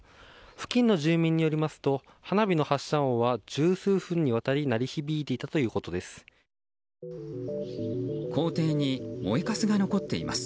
付近の住民によりますと花火の発射音は十数分にわたり鳴り響いていたということです。